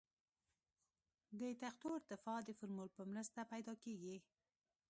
د تختو ارتفاع د فورمول په مرسته پیدا کیږي